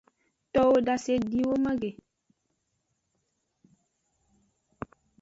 Towo dasediwoman ke.